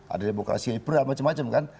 ada demokrasi liberal macam macam kan